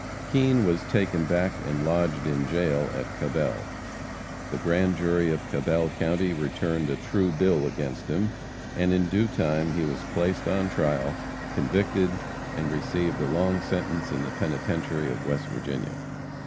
Kean was taken back and lodged in jail at Cabell. The grand jury of Cabell county returned a true bill against him, and in due time he was placed on trial, convicted, and received a long sentence in the penitentiary of West Virginia.